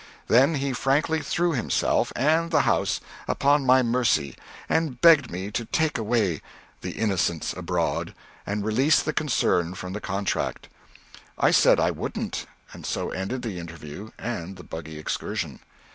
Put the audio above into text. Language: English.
Then he frankly threw himself and the house upon my mercy and begged me to take away "The Innocents Abroad" and release the concern from the contract. I said I wouldn't and so ended the interview and the buggy excursion.